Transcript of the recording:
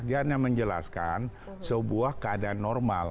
dia hanya menjelaskan sebuah keadaan normal